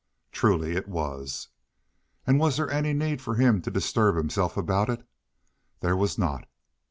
Truly it was. And was there any need for him to disturb himself about it? There was not.